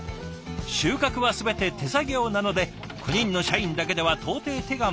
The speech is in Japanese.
収穫は全て手作業なので９人の社員だけでは到底手が回りません。